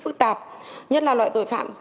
phức tạp nhất là loại tội phạm